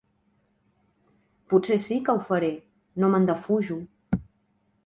Potser sí, que ho faré: no me'n defujo.